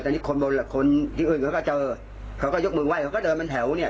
แต่นี่คนบนคนที่อื่นเขาก็เจอเขาก็ยกมือไห้เขาก็เดินเป็นแถวเนี่ย